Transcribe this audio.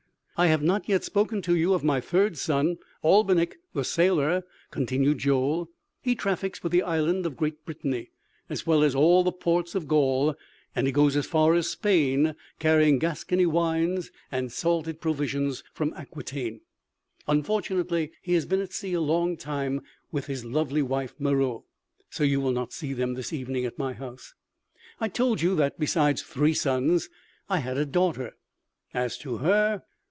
"I have not yet spoken to you of my third son Albinik the sailor," continued Joel. "He traffics with the island of Great Britanny, as well as all the ports of Gaul, and he goes as far as Spain carrying Gascony wines and salted provisions from Aquitaine.... Unfortunately he has been at sea a long time with his lovely wife Meroë; so you will not see them this evening at my house. I told you that besides three sons I had a daughter ... as to her!